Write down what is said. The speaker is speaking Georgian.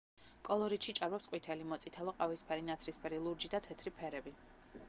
კოლორიტში ჭარბობს ყვითელი, მოწითალო-ყავისფერი, ნაცრისფერი, ლურჯი და თეთრი ფერები.